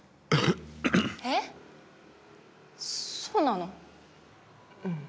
そうなの？